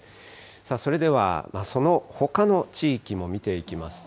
それでは、そのほかの地域も見ていきますと。